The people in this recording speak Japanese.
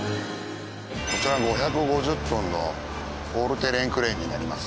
こちら５５０トンのオールテレーンクレーンになります。